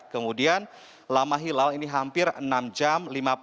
kemudian lama hilal ini hampir enam jam